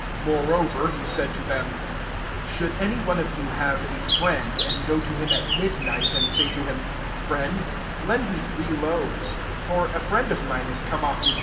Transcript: " 5 Moreover he said to tb«iqgK, ^' Should any one of you bai^ a friend, and go to him at aud*. night, and say to him» ' FrieiM^^ lend me three loaves ; 6 for ^ friend [of minej is come ofif^hiit.